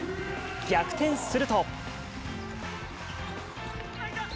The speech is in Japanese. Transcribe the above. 逆転すると。